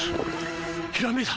ひらめいた！